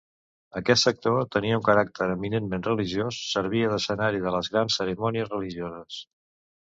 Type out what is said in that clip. Aquest sector tenia un caràcter eminentment religiós, servia d'escenari de les grans cerimònies religioses.